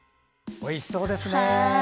おいしそうですね。